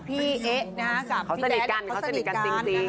พี่เอ๊ะกับพี่แจ๊คเขาสนิทกัน